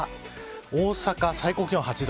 大阪、最高気温８度。